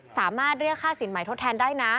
สามารถเรียกค่าสินใหม่ทดแทนได้นะ